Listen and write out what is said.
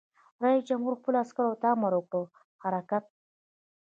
رئیس جمهور خپلو عسکرو ته امر وکړ؛ حرکت!